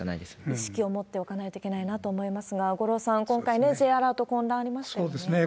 意識を持っておかないといけないと思いますが、五郎さん、今回、Ｊアラート、そうですね。